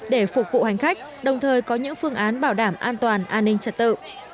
để phục vụ hành khách đồng thời có những phương án bảo đảm an toàn an ninh trật tự